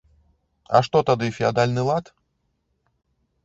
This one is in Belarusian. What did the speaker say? А што тады феадальны лад?